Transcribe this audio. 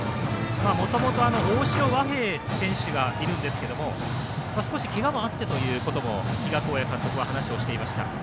もともと大城和平選手がいるんですけど少しけがもあってということもあってということも比嘉公也監督は話をしていました。